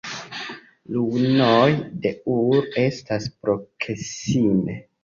Ruinoj de Ur estas proksime.